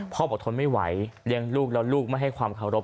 บอกทนไม่ไหวเลี้ยงลูกแล้วลูกไม่ให้ความเคารพ